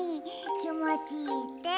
きもちいいって。